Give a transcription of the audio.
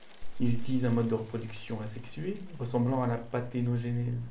Ils utilisent un mode de reproduction asexué ressemblant à la parthénogenèse.